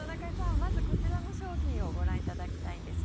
まず、こちらの商品をご覧いただきたいんです。